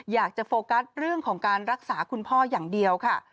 อยากจะโฟกัสเรื่องของการรักษาคุณพ่ออย่างเดียวค่ะ